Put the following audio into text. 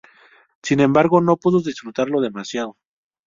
Sin embargo, no pudo disfrutarlo demasiado.